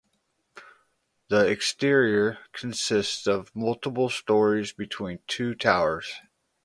The exterior consists of multiple stories between two towers.